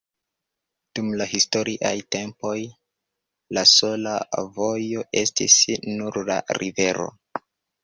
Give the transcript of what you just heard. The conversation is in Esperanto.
Dum la historiaj tempoj la sola vojo estis nur la rivero.